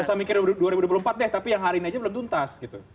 gak usah mikir dua ribu dua puluh empat deh tapi yang hari ini aja belum tuntas gitu